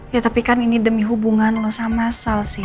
ya tapi kan ini demi hubungan lu sama sal sih ya